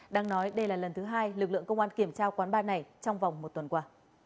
đang nói đây là lần thứ hai lực lượng công an kiểm tra quán bar này trong vòng một tuần qua